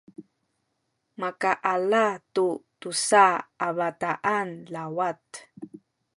makaala tu tusa a bataan lawat